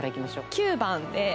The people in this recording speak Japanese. ９番で。